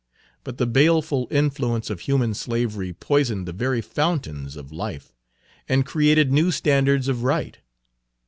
But the baleful influence of human slavery poisoned the very fountains of life, and created new standards of right.